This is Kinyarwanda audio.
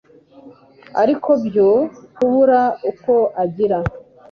ariko byo kubura uko agira,